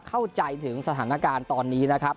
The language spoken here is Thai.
เข้าใจถึงสถานการณ์ตอนนี้นะครับ